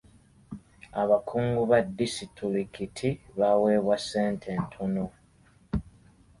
Abakungu ba disitulikiti baweebwa ssente ntono.